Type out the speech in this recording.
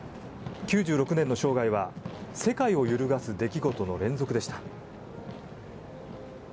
９６年の生涯は世界を揺るがす出来事の連続でした。